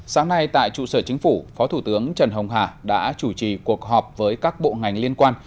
sáng nay tại trụ sở chính phủ phó thủ tướng trần hồng hà đã chủ trì cuộc họp với các bộ ngành liên quan